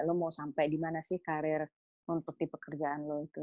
lo mau sampai dimana sih karir untuk di pekerjaan lo itu